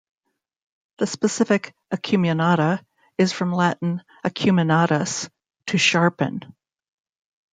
The specific "acuminata" is from Latin "acuminatus", "to sharpen".